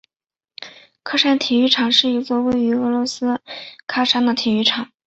喀山体育场是一座位于俄罗斯喀山的体育场。